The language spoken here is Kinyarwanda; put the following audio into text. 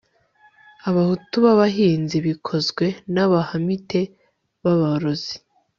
abahutu b abahinzi bikozwe n abahamite b aborozi